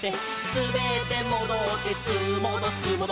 「すべってもどってすーもどすーもど」